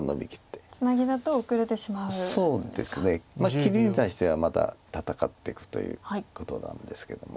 切りに対してはまた戦っていくということなんですけども。